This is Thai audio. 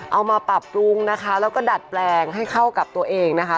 เอามาปรับปรุงนะคะแล้วก็ดัดแปลงให้เข้ากับตัวเองนะคะ